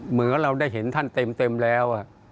เหมือนเราได้เห็นท่านเต็มแล้ว